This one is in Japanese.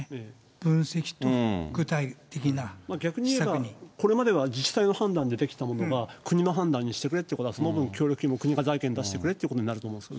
分析、逆に言えば、これまでは自治体の判断でできたものが、国の判断にしてくれってことは、その分、協力金も、国が財源出してくれっていうことになりますよね。